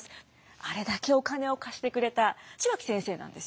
あれだけお金を貸してくれた血脇先生なんです。